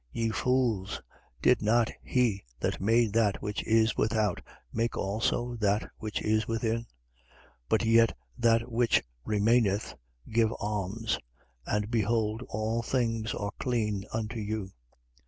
11:40. Ye fools, did not he that made that which is without make also that which is within? 11:41. But yet that which remaineth, give alms: and behold, all things are clean unto you.